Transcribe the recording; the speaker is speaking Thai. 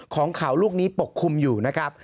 ของเขาลูกนี้ปกคลุมอยู่นะครับ